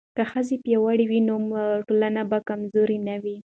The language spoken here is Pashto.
که ښځې پیاوړې وي نو ټولنه به کمزورې نه وي.